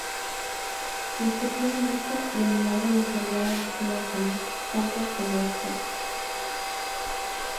Discutían mucho, y mi madre le solía decir al salir: "Tantas peleas por ti.